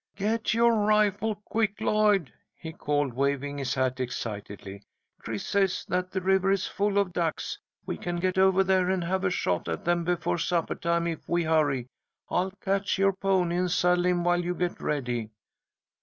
"Get your rifle, quick, Lloyd!" he called, waving his hat excitedly. "Chris says that the river is full of ducks. We can get over there and have a shot at them before supper time if we hurry. I'll catch your pony and saddle him while you get ready."